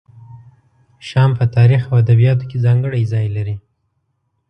شام په تاریخ او ادبیاتو کې ځانګړی ځای لري.